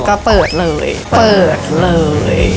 ก็เปิดเลยเปิดเลย